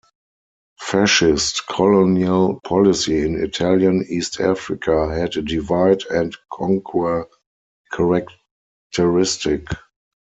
Fascist colonial policy in Italian East Africa had a divide and conquer characteristic.